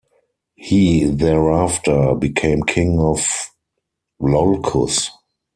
He thereafter became king of Iolcus.